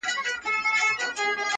د زندان به مي نن شل کاله پوره وای -